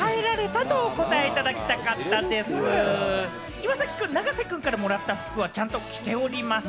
岩崎くん、永瀬くんからもらった服はちゃんと着ておりますか？